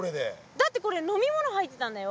だってこれ飲み物入ってたんだよ。